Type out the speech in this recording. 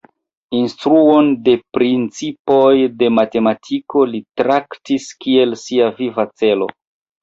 Instruon de principoj de matematiko li traktis kiel sia viva celo.